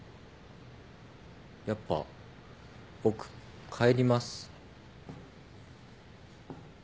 やっぱ僕帰ります。